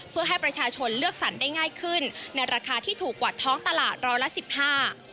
เพื่อให้ประชาชนเลือกสรรได้ง่ายขึ้นในราคาที่ถูกกว่าท้องตลาดร้อยละสิบห้า